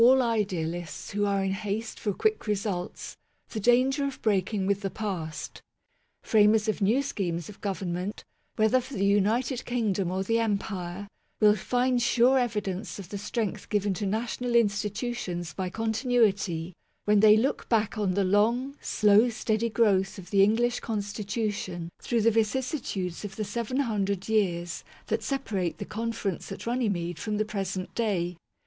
all idealists who are in haste for quick results, the danger of breaking with the past. Framers of new schemes of government, whether for the United Kingdom or the Empire, will find sure evidence of the strength given to national institutions by continuity, when they look back on the long, slow, steady growth of the English Constitution through the vicissitudes of the seven hundred years that separate the Confer ence at Runnymede from the present day.